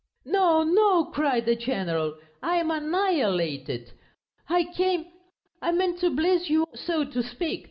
"No, no," cried the general, "I am annihilated.... I came... I meant to bless you, so to speak.